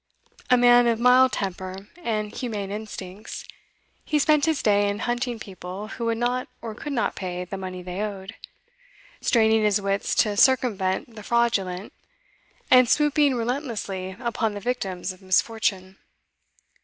A man of mild temper and humane instincts, he spent his day in hunting people who would not or could not pay the money they owed, straining his wits to circumvent the fraudulent, and swooping relentlessly upon the victims of misfortune.